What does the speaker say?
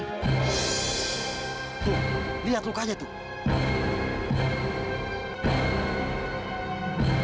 tuh lihat lukanya tuh